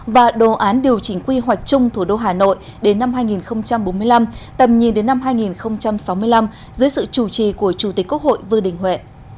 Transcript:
và đồ án điều chỉnh quy hoạch chung thủ đô hà nội đến năm hai nghìn bốn mươi năm tầm nhìn đến năm hai nghìn sáu mươi năm dưới sự chủ trì của chủ tịch quốc hội vương đình huệ